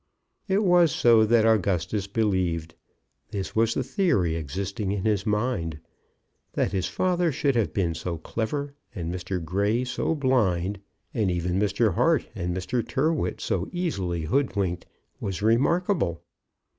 It was so that Augustus believed; this was the theory existing in his mind. That his father should have been so clever, and Mr. Grey so blind, and even Mr. Hart and Mr. Tyrrwhit so easily hoodwinked, was remarkable.